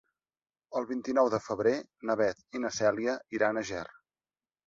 El vint-i-nou de febrer na Beth i na Cèlia iran a Ger.